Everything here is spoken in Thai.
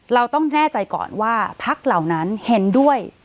เราต้องแน่ใจก่อนว่าพรรคเห็นด้วย